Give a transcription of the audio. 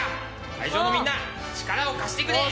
会場のみんな、力を貸してくれ！